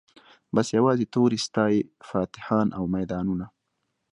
بس یوازي توري ستايی فاتحان او میدانونه